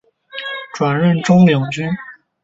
转任中领军。